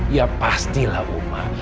ya pastilah umar